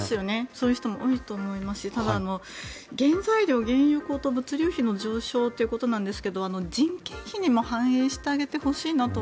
そういう人も多いと思いますしただ、原材料、原油高騰物流費の上昇ということなんですが人件費にも反映してあげてほしいなと